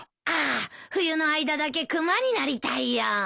あー冬の間だけクマになりたいよ。